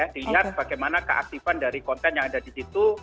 dilihat bagaimana keaktifan dari konten yang ada di situ